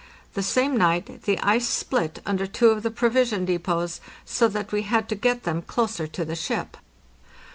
The same night the ice split under two of the provision depots, so that we had to get them closer to the ship.